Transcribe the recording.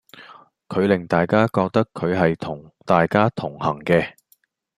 佢令大家覺得佢係同大家同行嘅